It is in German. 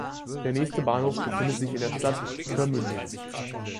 Der nächste Bahnhof befindet sich in der Stadt Ueckermünde.